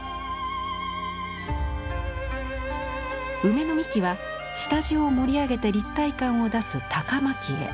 梅の幹は下地を盛り上げて立体感を出す高蒔絵。